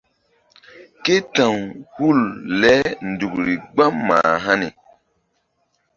Ké ta̧w hul le nzukri gbam mah hani.